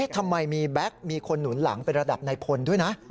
ทำไมมีแบ็คมีคนหนุนหลังเป็นระดับนายพลด้วยนะ